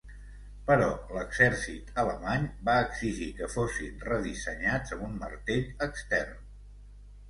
Però l'Exèrcit Alemany va exigir que fossin redissenyats amb un martell extern.